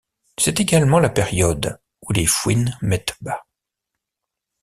C'est également la période où les fouines mettent bas.